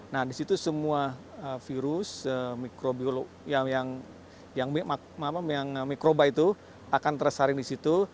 nah di situ semua virus yang mikroba itu akan tersaring di situ